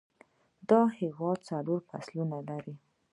دا هیواد څلور فصلونه لري